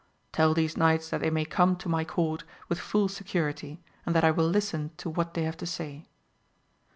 Tell these knights that they may come to my court, with full security, and that I will listen to what they have to say.